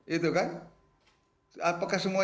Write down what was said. itu kan apakah semua